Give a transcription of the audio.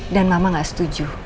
dan mama gak setuju